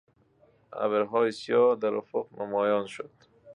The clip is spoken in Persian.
ابرهای سیاه در افق نمایان شد.